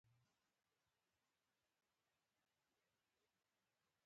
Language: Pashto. د دوی په وینا د هغه خبرې له ټوکو ټکالو ملې وې